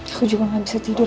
aku juga gak bisa tidur